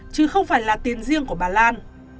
chứ không phải là tiền riêng của bà lan